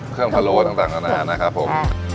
เครื่องพะโลตต่างต่างนะครับผม